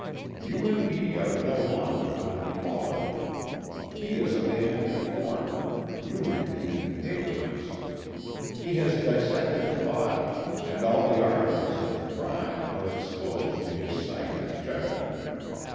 You and he are no longer on an equality. He is a man informed, you remain in ignorance. He has dissected the body, and all the arteries of the crime are exposed to his sight and judgment.